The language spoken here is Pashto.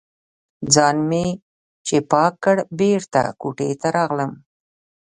ځان مې چې پاک کړ، بېرته کوټې ته راغلم.